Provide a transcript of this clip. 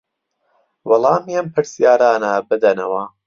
وەڵامی ئەم پرسیارانە بدەنەوە